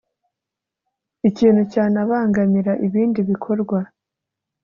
ikintu cyanabangamira ibindi bikorwa